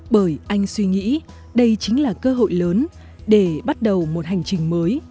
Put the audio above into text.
bởi anh suy nghĩ đây chính là cơ hội lớn để bắt đầu một hành trình mới